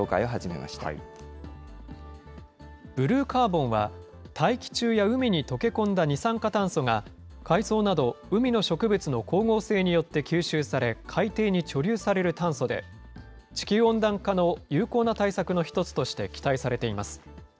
ブルーカーボンは、大気中や海に溶け込んだ二酸化炭素が、海草など海の植物の光合成によって吸収され、海底に貯留される炭素で、地球温暖化の有効な対策の一つとして期待されています。